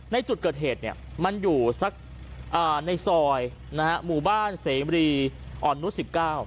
ในจุดเกิดเหตุเนี่ยมันอยู่สักในซอยนะฮะหมู่บ้านเสมรีอ่อนนุษย์๑๙